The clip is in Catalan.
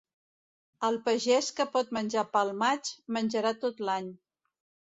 El pagès que pot menjar pel maig, menjarà tot l'any.